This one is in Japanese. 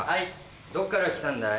どっから来たんだい？